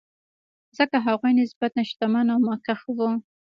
ځکه هغوی نسبتا شتمن او مخکښ وو.